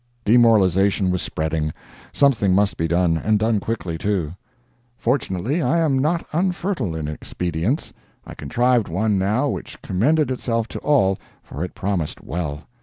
Demoralization was spreading; something must be done, and done quickly, too. Fortunately, I am not unfertile in expedients. I contrived one now which commended itself to all, for it promised well.